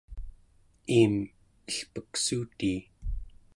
iim elpeksuutii